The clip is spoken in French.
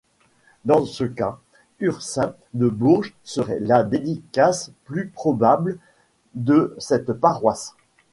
Dans ce cas, Ursin de Bourges serait la dédicace plus probable de cette paroisse.